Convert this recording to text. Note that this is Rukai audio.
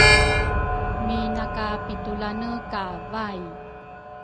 Minakapitulane ka Vai